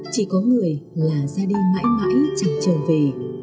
chỉ có người là ra đi mãi mãi chẳng trở về